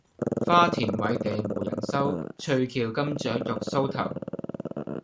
花鈿委地無人收，翠翹金雀玉搔頭。